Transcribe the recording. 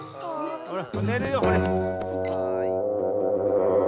ほらねるよほれ。